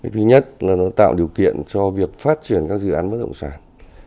thứ nhất là nó tạo điều kiện cho việc phát triển các dự án bất động sản